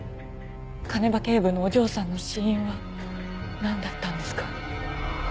鐘場警部のお嬢さんの死因は何だったんですか？